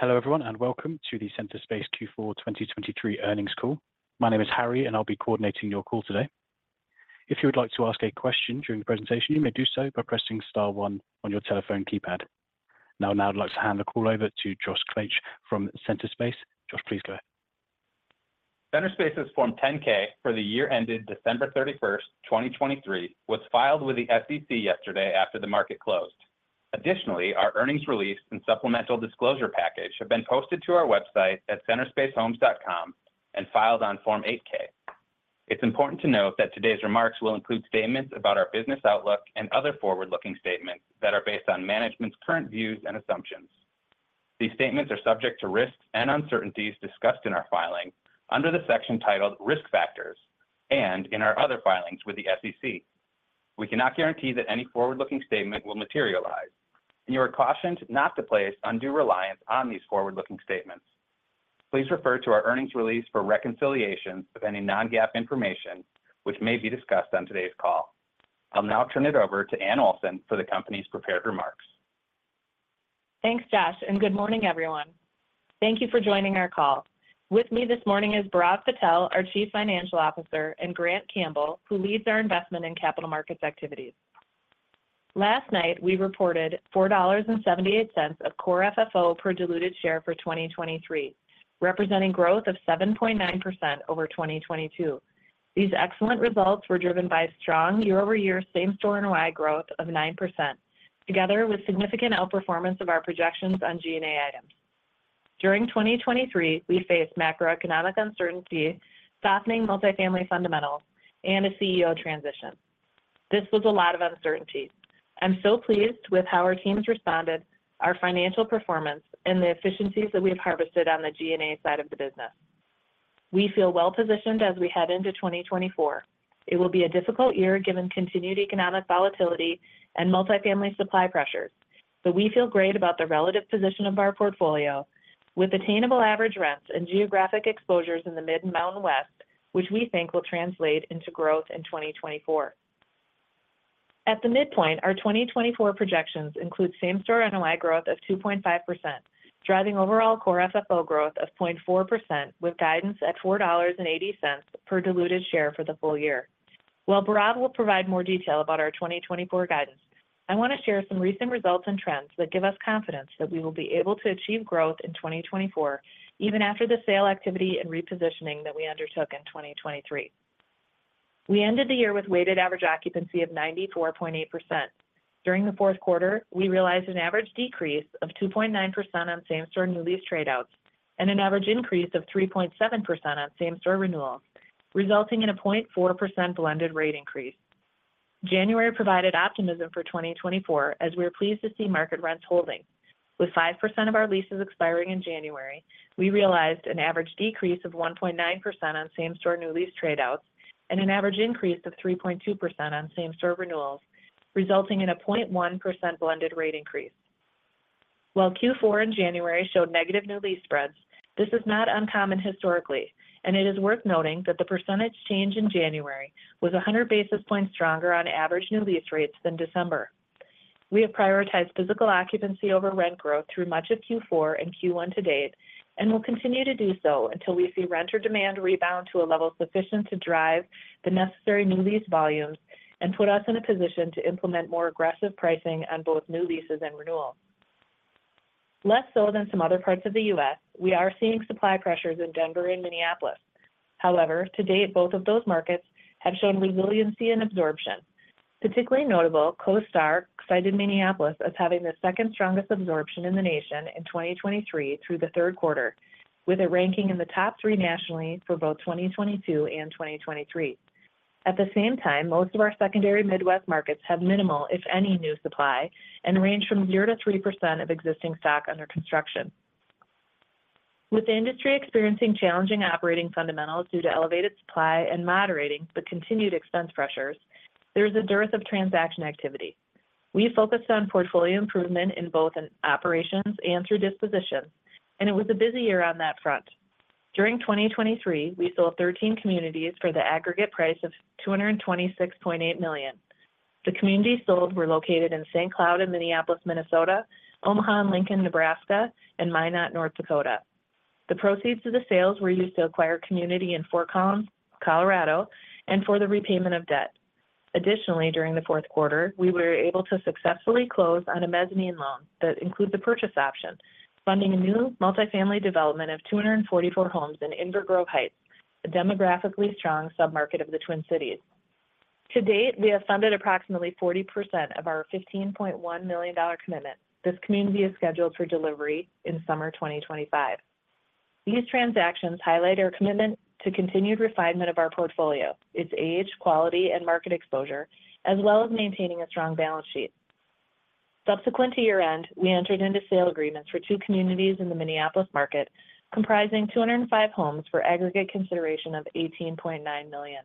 Hello everyone and welcome to the Centerspace Q4 2023 earnings call. My name is Harry and I'll be coordinating your call today. If you would like to ask a question during the presentation, you may do so by pressing star 1 on your telephone keypad. Now I'd like to hand the call over to Josh Klaetsch from Centerspace. Josh, please go ahead. Centerspace's Form 10-K for the year ended December 31, 2023 was filed with the SEC yesterday after the market closed. Additionally, our earnings release and supplemental disclosure package have been posted to our website at centerspacehomes.com and filed on Form 8-K. It's important to note that today's remarks will include statements about our business outlook and other forward-looking statements that are based on management's current views and assumptions. These statements are subject to risks and uncertainties discussed in our filing under the section titled Risk Factors and in our other filings with the SEC. We cannot guarantee that any forward-looking statement will materialize, and you are cautioned not to place undue reliance on these forward-looking statements. Please refer to our earnings release for reconciliation of any non-GAAP information, which may be discussed on today's call. I'll now turn it over to Anne Olson for the company's prepared remarks. Thanks, Josh, and good morning, everyone. Thank you for joining our call. With me this morning is Bhairav Patel, our Chief Financial Officer, and Grant Campbell, who leads our investment and capital markets activities. Last night we reported $4.78 of Core FFO per diluted share for 2023, representing growth of 7.9% over 2022. These excellent results were driven by strong year-over-year same-store NOI growth of 9%, together with significant outperformance of our projections on G&A items. During 2023, we faced macroeconomic uncertainty, softening multifamily fundamentals, and a CEO transition. This was a lot of uncertainty. I'm so pleased with how our teams responded, our financial performance, and the efficiencies that we have harvested on the G&A side of the business. We feel well-positioned as we head into 2024. It will be a difficult year given continued economic volatility and multifamily supply pressures, but we feel great about the relative position of our portfolio with attainable average rents and geographic exposures in the Midwest and Mountain West, which we think will translate into growth in 2024. At the midpoint, our 2024 projections include same-store NOI growth of 2.5%, driving overall Core FFO growth of 0.4% with guidance at $4.80 per diluted share for the full year. While Bhairav will provide more detail about our 2024 guidance, I want to share some recent results and trends that give us confidence that we will be able to achieve growth in 2024 even after the sale activity and repositioning that we undertook in 2023. We ended the year with weighted average occupancy of 94.8%. During the fourth quarter, we realized an average decrease of 2.9% on same-store new lease tradeouts and an average increase of 3.7% on same-store renewals, resulting in a 0.4% blended rate increase. January provided optimism for 2024 as we were pleased to see market rents holding. With 5% of our leases expiring in January, we realized an average decrease of 1.9% on same-store new lease tradeouts and an average increase of 3.2% on same-store renewals, resulting in a 0.1% blended rate increase. While Q4 in January showed negative new lease spreads, this is not uncommon historically, and it is worth noting that the percentage change in January was 100 basis points stronger on average new lease rates than December. We have prioritized physical occupancy over rent growth through much of Q4 and Q1 to date and will continue to do so until we see renter demand rebound to a level sufficient to drive the necessary new lease volumes and put us in a position to implement more aggressive pricing on both new leases and renewals. Less so than some other parts of the U.S., we are seeing supply pressures in Denver and Minneapolis. However, to date, both of those markets have shown resiliency and absorption. Particularly notable, CoStar cited Minneapolis as having the second-strongest absorption in the nation in 2023 through the third quarter, with it ranking in the top three nationally for both 2022 and 2023. At the same time, most of our secondary Midwest markets have minimal, if any, new supply and range from 0%-3% of existing stock under construction. With the industry experiencing challenging operating fundamentals due to elevated supply and moderating but continued expense pressures, there is a dearth of transaction activity. We focused on portfolio improvement in both operations and through disposition, and it was a busy year on that front. During 2023, we sold 13 communities for the aggregate price of $226.8 million. The communities sold were located in St. Cloud, in Minneapolis, Minnesota, Omaha and Lincoln, Nebraska, and Minot, North Dakota. The proceeds of the sales were used to acquire community in Fort Collins, Colorado, and for the repayment of debt. Additionally, during the fourth quarter, we were able to successfully close on a mezzanine loan that includes a purchase option, funding a new multifamily development of 244 homes in Inver Grove Heights, a demographically strong submarket of the Twin Cities. To date, we have funded approximately 40% of our $15.1 million commitment. This community is scheduled for delivery in summer 2025. These transactions highlight our commitment to continued refinement of our portfolio, its age, quality, and market exposure, as well as maintaining a strong balance sheet. Subsequent to year-end, we entered into sale agreements for two communities in the Minneapolis market comprising 205 homes for aggregate consideration of $18.9 million.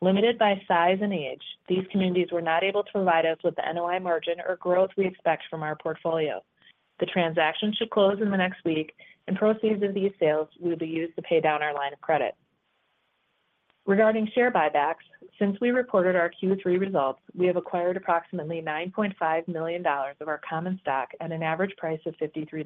Limited by size and age, these communities were not able to provide us with the NOI margin or growth we expect from our portfolio. The transaction should close in the next week, and proceeds of these sales will be used to pay down our line of credit. Regarding share buybacks, since we reported our Q3 results, we have acquired approximately $9.5 million of our common stock at an average price of $53.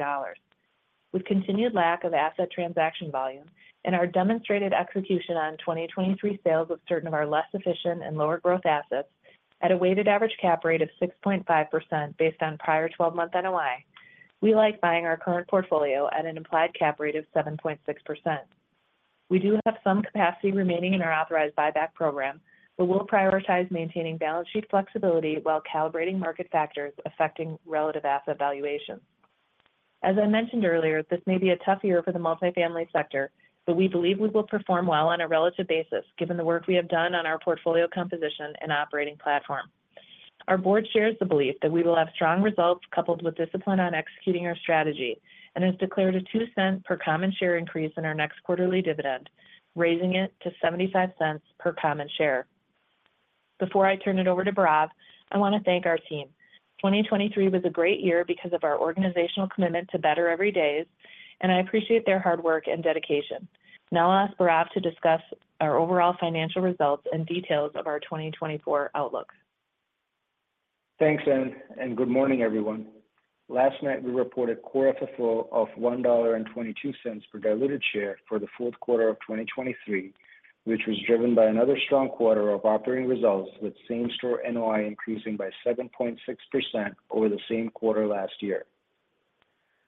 With continued lack of asset transaction volume and our demonstrated execution on 2023 sales of certain of our less efficient and lower growth assets at a weighted average cap rate of 6.5% based on prior 12-month NOI, we like buying our current portfolio at an implied cap rate of 7.6%. We do have some capacity remaining in our authorized buyback program, but we'll prioritize maintaining balance sheet flexibility while calibrating market factors affecting relative asset valuations. As I mentioned earlier, this may be a tough year for the multifamily sector, but we believe we will perform well on a relative basis given the work we have done on our portfolio composition and operating platform. Our board shares the belief that we will have strong results coupled with discipline on executing our strategy and has declared a $0.02 per common share increase in our next quarterly dividend, raising it to $0.75 per common share. Before I turn it over to Bhairav, I want to thank our team. 2023 was a great year because of our organizational commitment to better every day, and I appreciate their hard work and dedication. Now I'll ask Bhairav to discuss our overall financial results and details of our 2024 outlook. Thanks, Anne, and good morning, everyone. Last night we reported Core FFO of $1.22 per diluted share for the fourth quarter of 2023, which was driven by another strong quarter of operating results with same-store NOI increasing by 7.6% over the same quarter last year.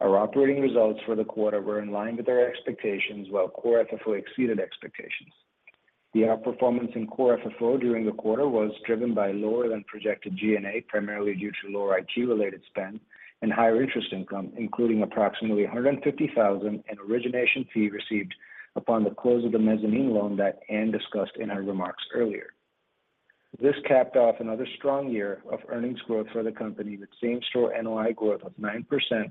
Our operating results for the quarter were in line with our expectations while Core FFO exceeded expectations. The outperformance in Core FFO during the quarter was driven by lower than projected G&A, primarily due to lower IT-related spend and higher interest income, including approximately $150,000 in origination fee received upon the close of the mezzanine loan that Anne discussed in her remarks earlier. This capped off another strong year of earnings growth for the company with same-store NOI growth of 9%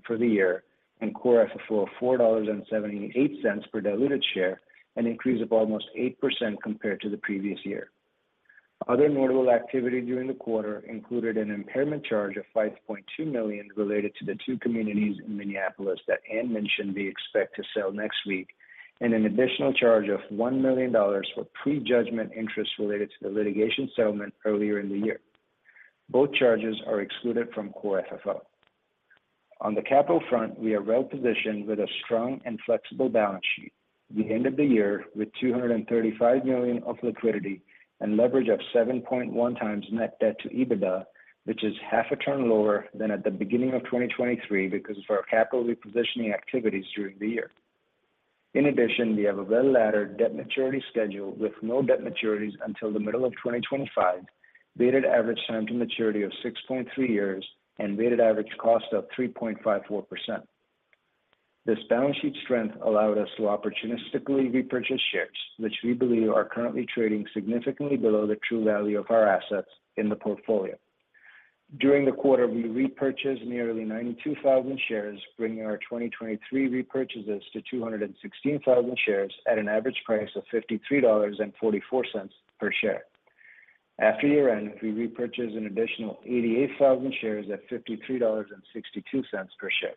for the year and Core FFO of $4.78 per diluted share, an increase of almost 8% compared to the previous year. Other notable activity during the quarter included an impairment charge of $5.2 million related to the two communities in Minneapolis that Anne mentioned we expect to sell next week and an additional charge of $1 million for prejudgment interest related to the litigation settlement earlier in the year. Both charges are excluded from Core FFO. On the capital front, we are well-positioned with a strong and flexible balance sheet. We ended the year with $235 million of liquidity and leverage of 7.1x net debt to EBITDA, which is half a turn lower than at the beginning of 2023 because of our capital repositioning activities during the year. In addition, we have a well-laddered debt maturity schedule with no debt maturities until the middle of 2025, weighted average time to maturity of 6.3 years, and weighted average cost of 3.54%. This balance sheet strength allowed us to opportunistically repurchase shares, which we believe are currently trading significantly below the true value of our assets in the portfolio. During the quarter, we repurchased nearly 92,000 shares, bringing our 2023 repurchases to 216,000 shares at an average price of $53.44 per share. After year-end, we repurchased an additional 88,000 shares at $53.62 per share.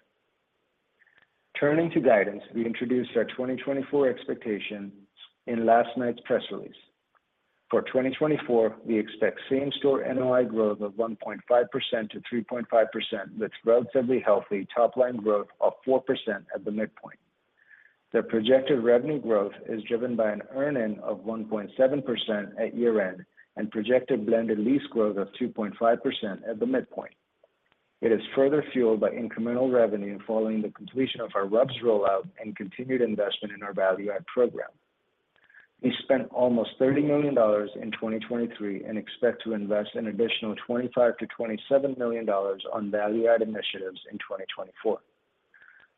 Turning to guidance, we introduced our 2024 expectations in last night's press release. For 2024, we expect same-store NOI growth of 1.5%-3.5% with relatively healthy top-line growth of 4% at the midpoint. The projected revenue growth is driven by an earn-in of 1.7% at year-end and projected blended lease growth of 2.5% at the midpoint. It is further fueled by incremental revenue following the completion of our RUBS rollout and continued investment in our value-add program. We spent almost $30 million in 2023 and expect to invest an additional $25-$27 million on value-add initiatives in 2024.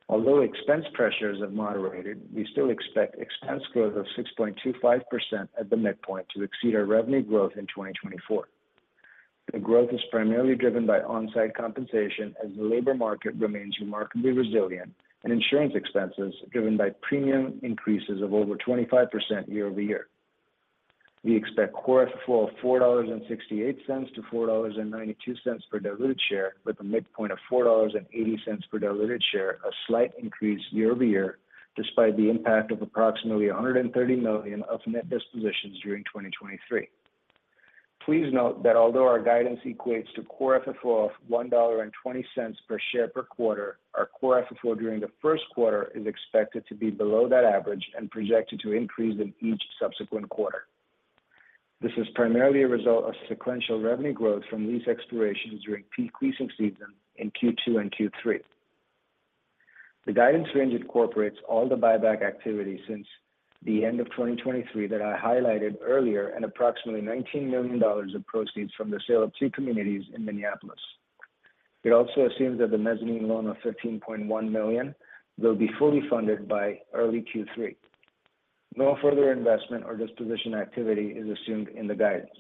Although expense pressures have moderated, we still expect expense growth of 6.25% at the midpoint to exceed our revenue growth in 2024. The growth is primarily driven by on-site compensation as the labor market remains remarkably resilient and insurance expenses driven by premium increases of over 25% year-over-year. We expect Core FFO of $4.68-$4.92 per diluted share with a midpoint of $4.80 per diluted share, a slight increase year-over-year despite the impact of approximately $130 million of net dispositions during 2023. Please note that although our guidance equates to Core FFO of $1.20 per share per quarter, our Core FFO during the first quarter is expected to be below that average and projected to increase in each subsequent quarter. This is primarily a result of sequential revenue growth from lease expirations during peak leasing season in Q2 and Q3. The guidance range incorporates all the buyback activity since the end of 2023 that I highlighted earlier and approximately $19 million of proceeds from the sale of two communities in Minneapolis. It also assumes that the mezzanine loan of $15.1 million will be fully funded by early Q3. No further investment or disposition activity is assumed in the guidance.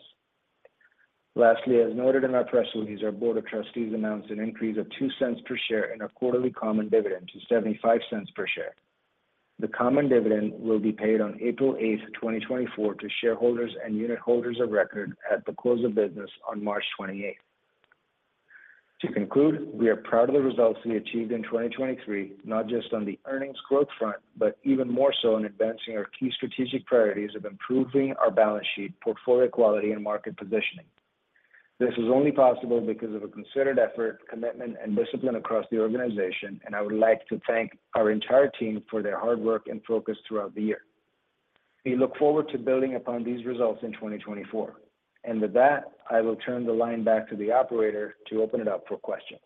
Lastly, as noted in our press release, our board of trustees announced an increase of $0.02 per share in our quarterly common dividend to $0.75 per share. The common dividend will be paid on April 8th, 2024, to shareholders and unitholders of record at the close of business on March 28th. To conclude, we are proud of the results we achieved in 2023, not just on the earnings growth front, but even more so in advancing our key strategic priorities of improving our balance sheet, portfolio quality, and market positioning. This is only possible because of a considered effort, commitment, and discipline across the organization, and I would like to thank our entire team for their hard work and focus throughout the year. We look forward to building upon these results in 2024. With that, I will turn the line back to the operator to open it up for questions.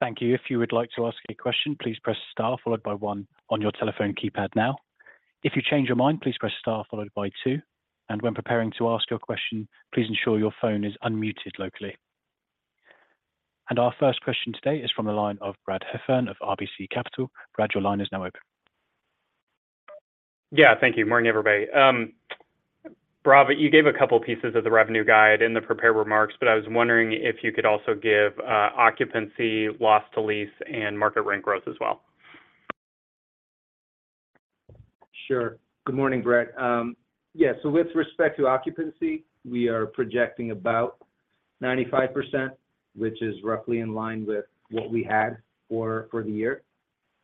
Thank you. If you would like to ask a question, please press Star followed by 1 on your telephone keypad now. If you change your mind, please press Star followed by 2. And when preparing to ask your question, please ensure your phone is unmuted locally. And our first question today is from the line of Brad Heffern of RBC Capital. Brad, your line is now open. Yeah, thank you. Morning, everybody. Bhairav, you gave a couple pieces of the revenue guide in the prepared remarks, but I was wondering if you could also give occupancy, Loss to Lease, and market rent growth as well. Sure. Good morning, Brad. Yeah, so with respect to occupancy, we are projecting about 95%, which is roughly in line with what we had for the year.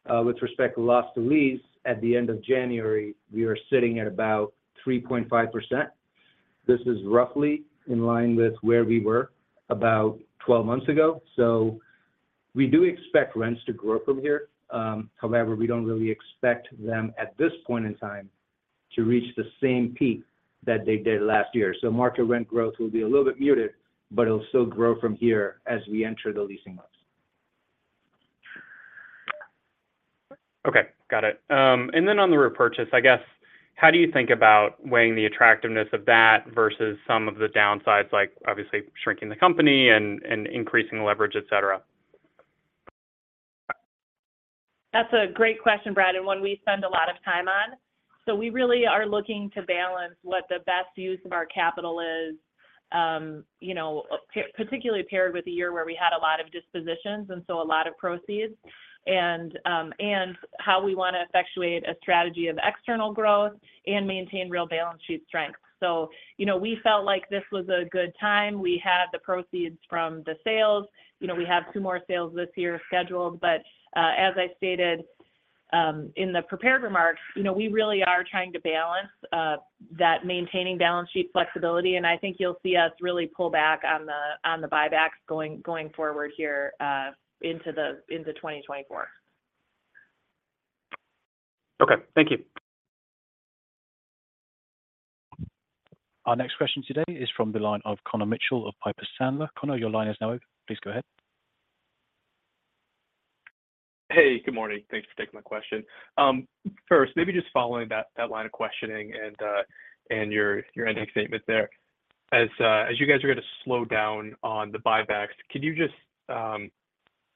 With respect to Loss to Lease, at the end of January, we are sitting at about 3.5%. This is roughly in line with where we were about 12 months ago. So we do expect rents to grow from here. However, we don't really expect them at this point in time to reach the same peak that they did last year. So market rent growth will be a little bit muted, but it'll still grow from here as we enter the leasing months. Okay. Got it. And then on the repurchase, I guess, how do you think about weighing the attractiveness of that versus some of the downsides, like obviously shrinking the company and increasing leverage, etc.? That's a great question, Brad, and one we spend a lot of time on. So we really are looking to balance what the best use of our capital is, particularly paired with a year where we had a lot of dispositions and so a lot of proceeds, and how we want to effectuate a strategy of external growth and maintain real balance sheet strength. So we felt like this was a good time. We had the proceeds from the sales. We have 2 more sales this year scheduled. But as I stated in the prepared remarks, we really are trying to balance that maintaining balance sheet flexibility. And I think you'll see us really pull back on the buybacks going forward here into 2024. Okay. Thank you. Our next question today is from the line of Connor Mitchell of Piper Sandler. Connor, your line is now open. Please go ahead. Hey, good morning. Thanks for taking my question. First, maybe just following that line of questioning and your ending statement there. As you guys are going to slow down on the buybacks, could you just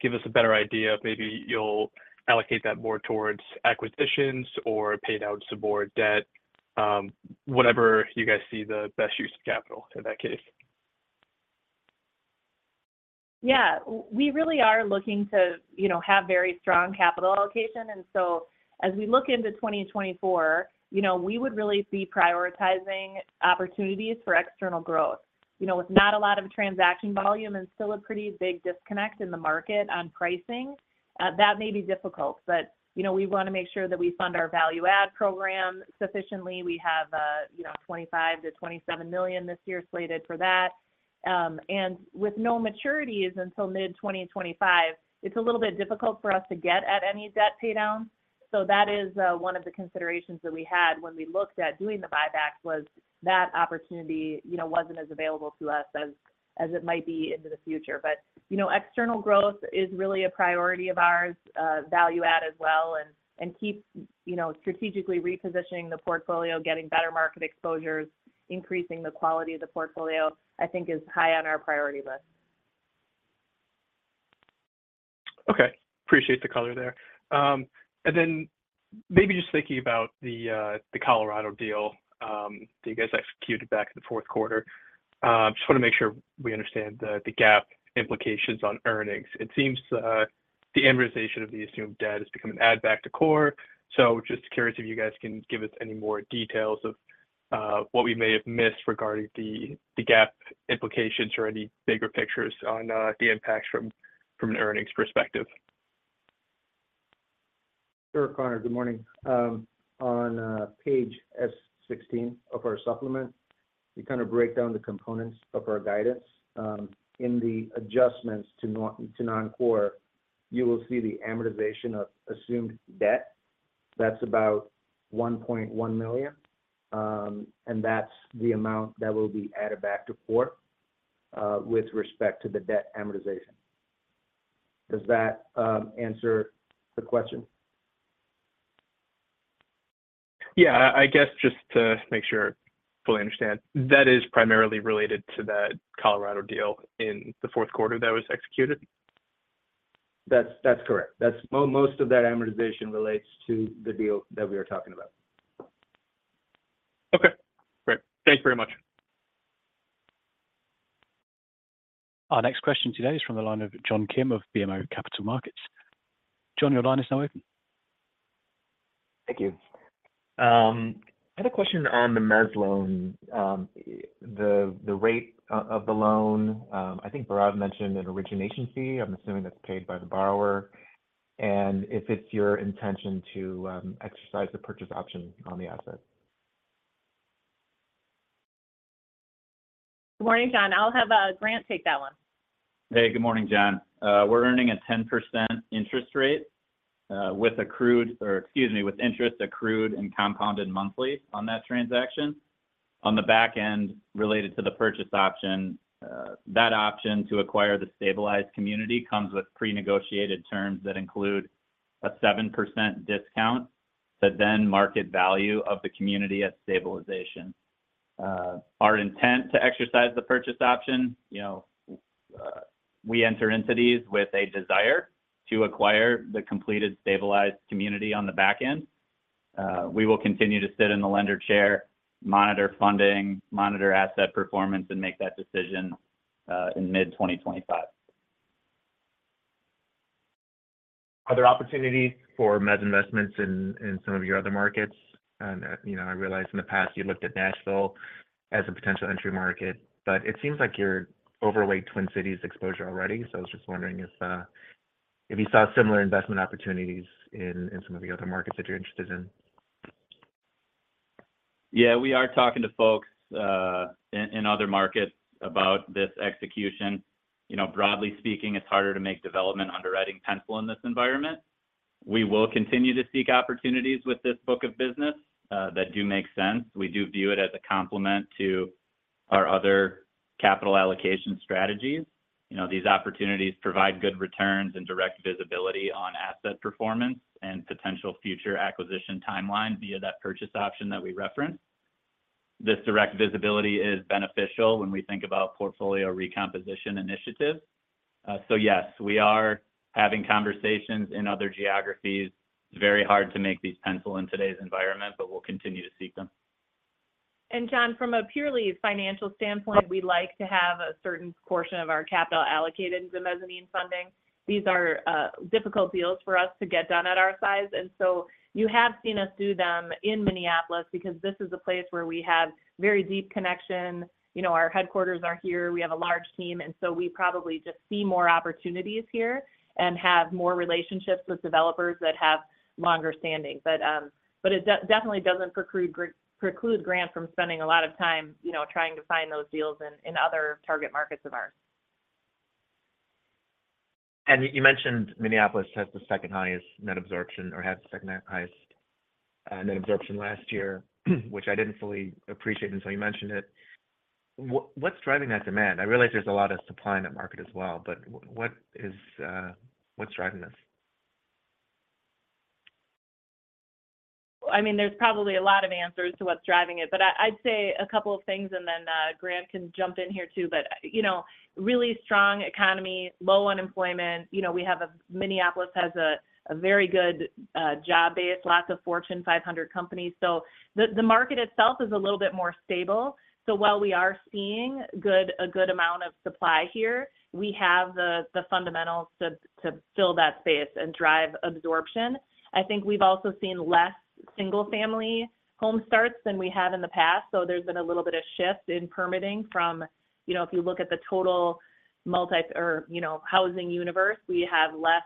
give us a better idea of maybe you'll allocate that more towards acquisitions or paid-out subordinate debt, whatever you guys see the best use of capital in that case? Yeah. We really are looking to have very strong capital allocation. And so as we look into 2024, we would really be prioritizing opportunities for external growth. With not a lot of transaction volume and still a pretty big disconnect in the market on pricing, that may be difficult. But we want to make sure that we fund our value-add program sufficiently. We have $25 million-$27 million this year slated for that. And with no maturities until mid-2025, it's a little bit difficult for us to get at any debt paydown. So that is one of the considerations that we had when we looked at doing the buybacks was that opportunity wasn't as available to us as it might be into the future. But external growth is really a priority of ours, value-add as well, and keep strategically repositioning the portfolio, getting better market exposures, increasing the quality of the portfolio, I think, is high on our priority list. Okay. Appreciate the color there. Then maybe just thinking about the Colorado deal that you guys executed back in the fourth quarter, just want to make sure we understand the GAAP implications on earnings. It seems the amortization of the assumed debt has become an add-back to core. So just curious if you guys can give us any more details of what we may have missed regarding the GAAP implications or any bigger pictures on the impacts from an earnings perspective. Sure, Connor. Good morning. On page S16 of our supplement, we kind of break down the components of our guidance. In the adjustments to non-core, you will see the amortization of assumed debt. That's about $1.1 million. And that's the amount that will be added back to core with respect to the debt amortization. Does that answer the question? Yeah. I guess just to make sure I fully understand, that is primarily related to that Colorado deal in the fourth quarter that was executed? That's correct. Most of that amortization relates to the deal that we are talking about. Okay. Great. Thanks very much. Our next question today is from the line of John Kim of BMO Capital Markets. John, your line is now open. Thank you. I had a question on the mezz loan, the rate of the loan. I think Bhairav mentioned an origination fee. I'm assuming that's paid by the borrower. If it's your intention to exercise the purchase option on the asset. Good morning, John. I'll have Grant take that one. Hey, good morning, John. We're earning a 10% interest rate with accrued or excuse me, with interest accrued and compounded monthly on that transaction. On the back end, related to the purchase option, that option to acquire the stabilized community comes with pre-negotiated terms that include a 7% discount to then market value of the community at stabilization. Our intent to exercise the purchase option, we enter into these with a desire to acquire the completed stabilized community on the back end. We will continue to sit in the lender chair, monitor funding, monitor asset performance, and make that decision in mid-2025. Are there opportunities for mezz investments in some of your other markets? I realize in the past, you looked at Nashville as a potential entry market, but it seems like you're overweight Twin Cities exposure already. I was just wondering if you saw similar investment opportunities in some of the other markets that you're interested in? Yeah, we are talking to folks in other markets about this execution. Broadly speaking, it's harder to make development underwriting pencil in this environment. We will continue to seek opportunities with this book of business that do make sense. We do view it as a complement to our other capital allocation strategies. These opportunities provide good returns and direct visibility on asset performance and potential future acquisition timeline via that purchase option that we referenced. This direct visibility is beneficial when we think about portfolio recomposition initiatives. So yes, we are having conversations in other geographies. It's very hard to make these pencil in today's environment, but we'll continue to seek them. John, from a purely financial standpoint, we like to have a certain portion of our capital allocated to mezzanine funding. These are difficult deals for us to get done at our size. And so you have seen us do them in Minneapolis because this is a place where we have very deep connection. Our headquarters are here. We have a large team. And so we probably just see more opportunities here and have more relationships with developers that have longer standing. But it definitely doesn't preclude Grant from spending a lot of time trying to find those deals in other target markets of ours. You mentioned Minneapolis has the second highest net absorption or had the second highest net absorption last year, which I didn't fully appreciate until you mentioned it. What's driving that demand? I realize there's a lot of supply in that market as well, but what's driving this? I mean, there's probably a lot of answers to what's driving it, but I'd say a couple of things, and then Grant can jump in here too. But really strong economy, low unemployment. Minneapolis has a very good job base, lots of Fortune 500 companies. So the market itself is a little bit more stable. So while we are seeing a good amount of supply here, we have the fundamentals to fill that space and drive absorption. I think we've also seen less single-family home starts than we have in the past. So there's been a little bit of shift in permitting from if you look at the total housing universe, we have less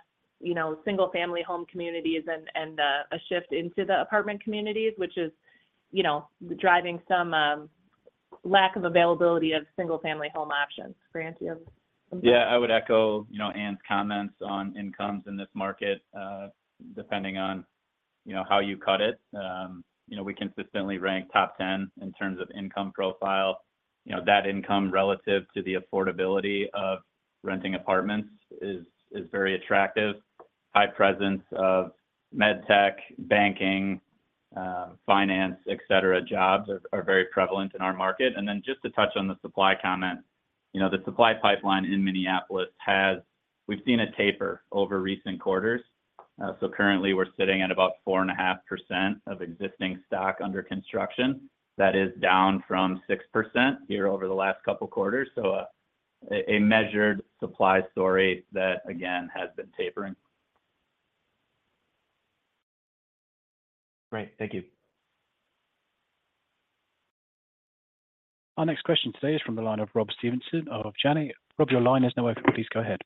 single-family home communities and a shift into the apartment communities, which is driving some lack of availability of single-family home options. Grant, do you have? Yeah, I would echo Anne's comments on incomes in this market depending on how you cut it. We consistently rank top 10 in terms of income profile. That income relative to the affordability of renting apartments is very attractive. High presence of medtech, banking, finance, etc., jobs are very prevalent in our market. And then just to touch on the supply comment, the supply pipeline in Minneapolis has; we've seen it taper over recent quarters. So currently, we're sitting at about 4.5% of existing stock under construction. That is down from 6% here over the last couple of quarters. So a measured supply story that, again, has been tapering. Great. Thank you. Our next question today is from the line of Rob Stevenson of Janney. Rob, your line is now open. Please go ahead.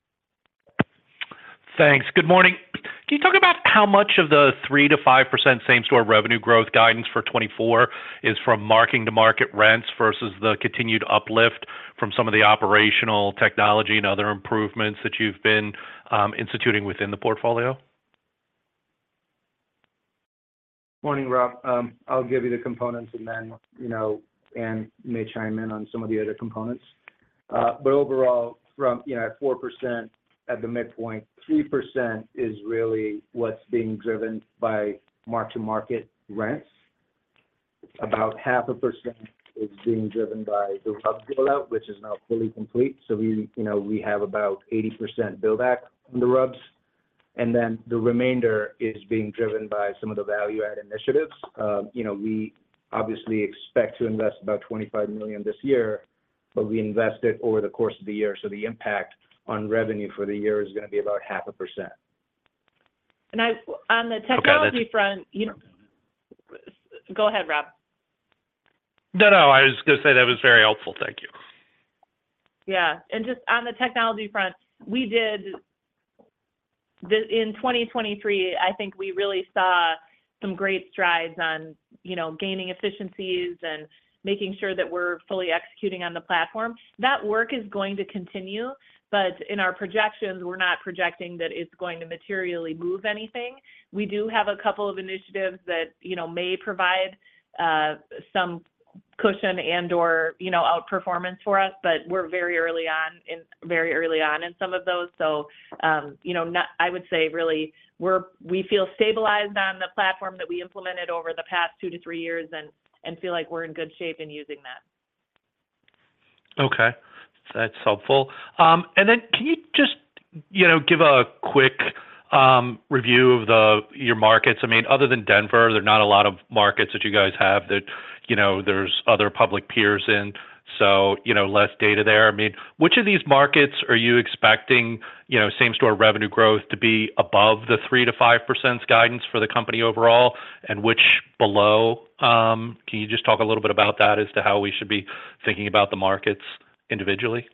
Thanks. Good morning. Can you talk about how much of the 3%-5% same-store revenue growth guidance for 2024 is from marking-to-market rents versus the continued uplift from some of the operational technology and other improvements that you've been instituting within the portfolio? Morning, Rob. I'll give you the components, and then Anne may chime in on some of the other components. But overall, at 4% at the midpoint, 3% is really what's being driven by mark-to-market rents. About 0.5% is being driven by the RUBS rollout, which is now fully complete. So we have about 80% buildback on the rubs. And then the remainder is being driven by some of the value-add initiatives. We obviously expect to invest about $25 million this year, but we invest it over the course of the year. So the impact on revenue for the year is going to be about 0.5%. On the technology front, go ahead, Rob. No, no. I was going to say that was very helpful. Thank you. Yeah. And just on the technology front, in 2023, I think we really saw some great strides on gaining efficiencies and making sure that we're fully executing on the platform. That work is going to continue, but in our projections, we're not projecting that it's going to materially move anything. We do have a couple of initiatives that may provide some cushion and/or outperformance for us, but we're very early on in some of those. So I would say really we feel stabilized on the platform that we implemented over the past 2-3 years and feel like we're in good shape in using that. Okay. That's helpful. And then can you just give a quick review of your markets? I mean, other than Denver, there are not a lot of markets that you guys have that there's other public peers in, so less data there. I mean, which of these markets are you expecting same-store revenue growth to be above the 3%-5% guidance for the company overall, and which below? Can you just talk a little bit about that as to how we should be thinking about the markets individually?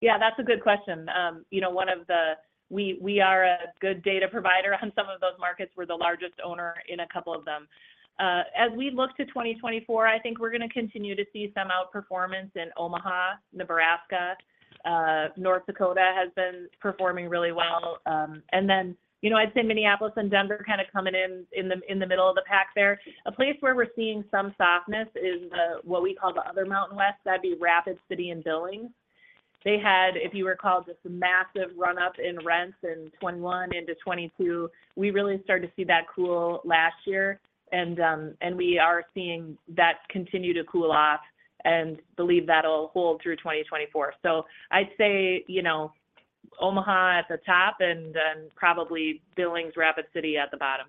Yeah, that's a good question. One of the, we are a good data provider on some of those markets. We're the largest owner in a couple of them. As we look to 2024, I think we're going to continue to see some outperformance in Omaha, Nebraska. North Dakota has been performing really well. And then I'd say Minneapolis and Denver kind of coming in the middle of the pack there. A place where we're seeing some softness is what we call the other Mountain West. That'd be Rapid City and Billings. They had, if you recall, this massive run-up in rents in 2021 into 2022. We really started to see that cool last year, and we are seeing that continue to cool off and believe that'll hold through 2024. So I'd say Omaha at the top and probably Billings, Rapid City at the bottom.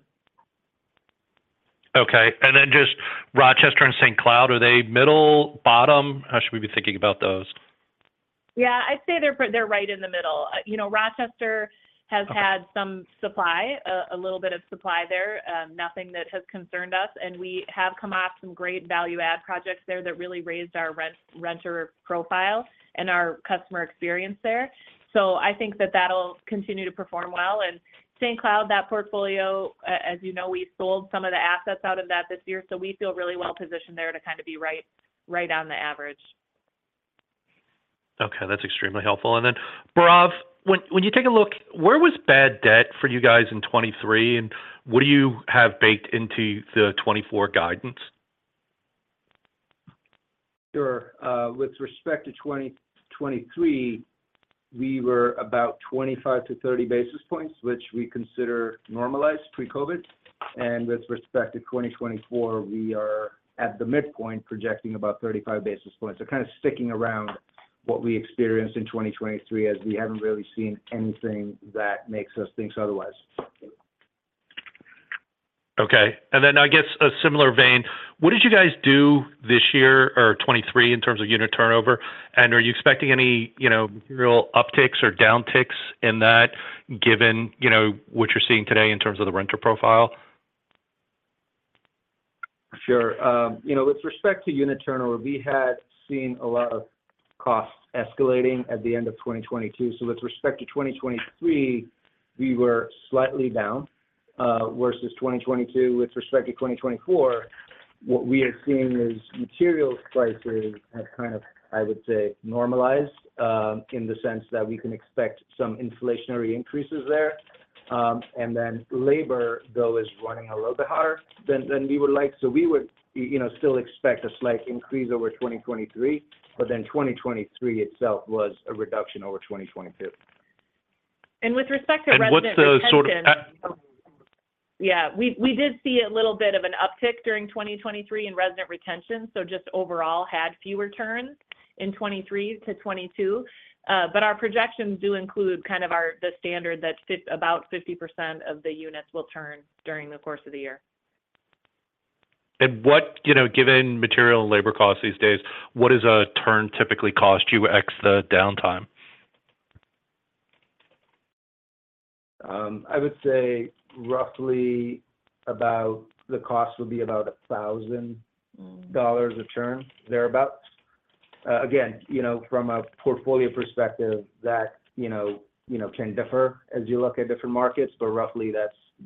Okay. Just Rochester and St. Cloud, are they middle, bottom? How should we be thinking about those? Yeah, I'd say they're right in the middle. Rochester has had some supply, a little bit of supply there, nothing that has concerned us. And we have come off some great value-add projects there that really raised our renter profile and our customer experience there. So I think that that'll continue to perform well. And St. Cloud, that portfolio, as you know, we sold some of the assets out of that this year. So we feel really well positioned there to kind of be right on the average. Okay. That's extremely helpful. And then, Bhairav, when you take a look, where was bad debt for you guys in 2023, and what do you have baked into the 2024 guidance? Sure. With respect to 2023, we were about 25-30 basis points, which we consider normalized pre-COVID. And with respect to 2024, we are at the midpoint projecting about 35 basis points. So kind of sticking around what we experienced in 2023 as we haven't really seen anything that makes us think otherwise. Okay. And then I guess a similar vein, what did you guys do this year or 2023 in terms of unit turnover, and are you expecting any material upticks or downticks in that given what you're seeing today in terms of the renter profile? Sure. With respect to unit turnover, we had seen a lot of costs escalating at the end of 2022. So with respect to 2023, we were slightly down versus 2022. With respect to 2024, what we are seeing is materials prices have kind of, I would say, normalized in the sense that we can expect some inflationary increases there. And then labor, though, is running a little bit hotter than we would like. So we would still expect a slight increase over 2023, but then 2023 itself was a reduction over 2022. With respect to resident retention. We did see a little bit of an uptick during 2023 in resident retention. So just overall, had fewer turns in 2023 to 2022. But our projections do include kind of the standard that about 50% of the units will turn during the course of the year. And given material and labor costs these days, what does a turn typically cost you ex the downtime? I would say roughly about the cost will be about $1,000 a turn, thereabouts. Again, from a portfolio perspective, that can differ as you look at different markets, but roughly,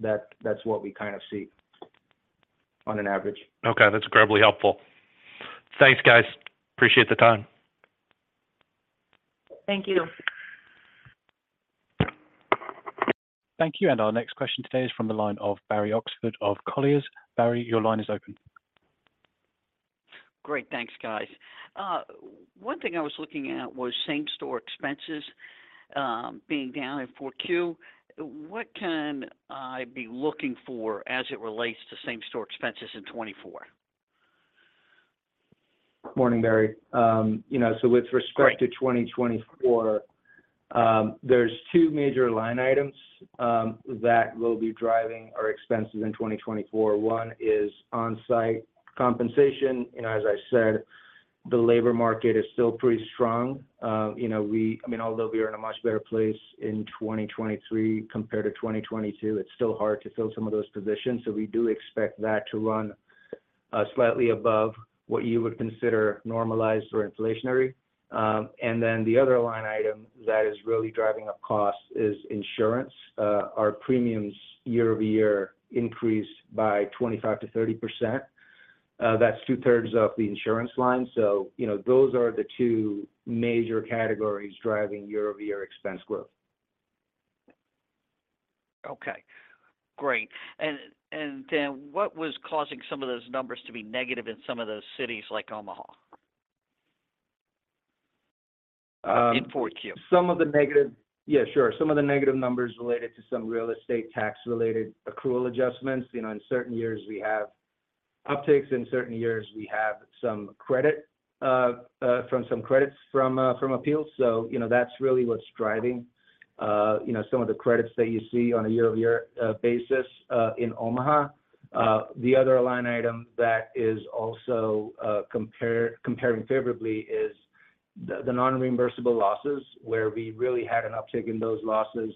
that's what we kind of see on an average. Okay. That's incredibly helpful. Thanks, guys. Appreciate the time. Thank you. Thank you. And our next question today is from the line of Barry Oxford of Colliers. Barry, your line is open. Great. Thanks, guys. One thing I was looking at was same-store expenses being down in 4Q. What can I be looking for as it relates to same-store expenses in 2024? Morning, Barry. So with respect to 2024, there's two major line items that will be driving our expenses in 2024. One is on-site compensation. As I said, the labor market is still pretty strong. I mean, although we are in a much better place in 2023 compared to 2022, it's still hard to fill some of those positions. So we do expect that to run slightly above what you would consider normalized or inflationary. And then the other line item that is really driving up costs is insurance. Our premiums year-over-year increased by 25%-30%. That's two-thirds of the insurance line. So those are the two major categories driving year-over-year expense growth. Okay. Great. And then what was causing some of those numbers to be negative in some of those cities like Omaha in 4Q? Some of the negative numbers related to some real estate tax-related accrual adjustments. In certain years, we have upticks. In certain years, we have some credits from appeals. So that's really what's driving some of the credits that you see on a year-over-year basis in Omaha. The other line item that is also comparing favorably is the non-reimbursable losses where we really had an uptick in those losses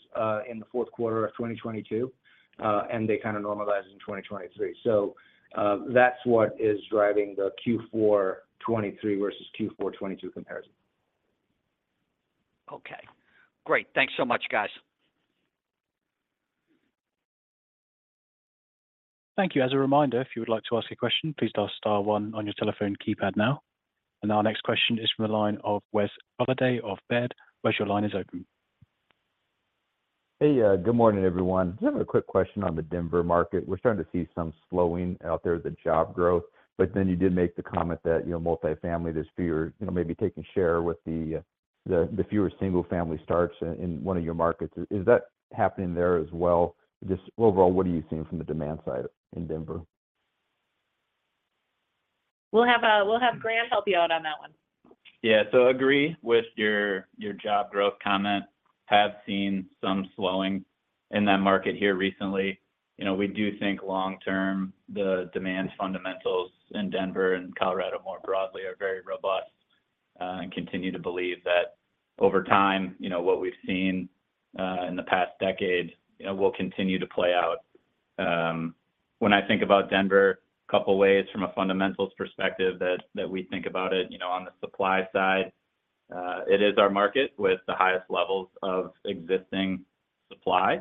in the fourth quarter of 2022, and they kind of normalized in 2023. So that's what is driving the Q4 2023 versus Q4 2022 comparison. Okay. Great. Thanks so much, guys. Thank you. As a reminder, if you would like to ask a question, please dial star one on your telephone keypad now. Our next question is from the line of Wes Golladay of Baird. Wes, your line is open. Hey, good morning, everyone. Just have a quick question on the Denver market. We're starting to see some slowing out there of the job growth, but then you did make the comment that multifamily, there's maybe taking share with the fewer single-family starts in one of your markets. Is that happening there as well? Just overall, what are you seeing from the demand side in Denver? We'll have Grant help you out on that one. Yeah. So agree with your job growth comment. Have seen some slowing in that market here recently. We do think long-term, the demand fundamentals in Denver and Colorado more broadly are very robust. And continue to believe that over time, what we've seen in the past decade will continue to play out. When I think about Denver, a couple of ways from a fundamentals perspective that we think about it on the supply side, it is our market with the highest levels of existing supply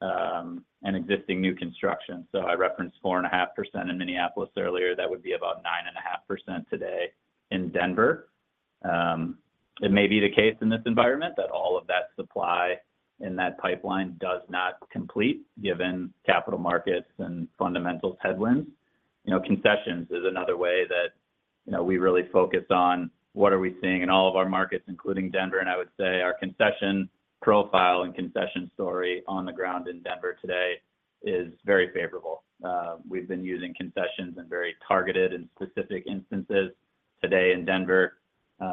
and existing new construction. So I referenced 4.5% in Minneapolis earlier. That would be about 9.5% today in Denver. It may be the case in this environment that all of that supply in that pipeline does not complete given capital markets and fundamentals headwinds. Concessions is another way that we really focus on what are we seeing in all of our markets, including Denver. I would say our concession profile and concession story on the ground in Denver today is very favorable. We've been using concessions in very targeted and specific instances. Today in Denver,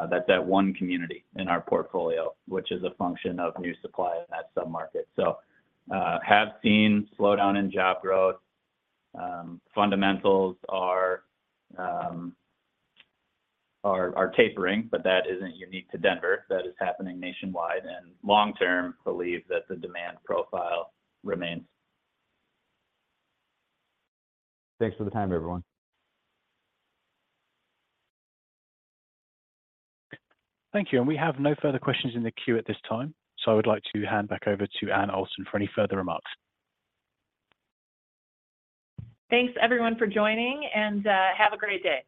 that's that one community in our portfolio, which is a function of new supply in that submarket. So have seen slowdown in job growth. Fundamentals are tapering, but that isn't unique to Denver. That is happening nationwide. And long-term, believe that the demand profile remains. Thanks for the time, everyone. Thank you. We have no further questions in the queue at this time. So I would like to hand back over to Anne Olson for any further remarks. Thanks, everyone, for joining, and have a great day.